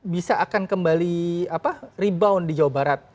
bisa akan kembali rebound di jawa barat